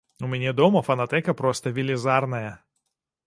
У мяне дома фанатэка проста велізарная!